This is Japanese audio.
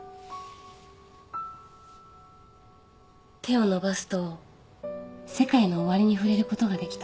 手を伸ばすと世界の終わりに触れることができた。